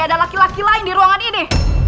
ada laki laki lain di ruangan ini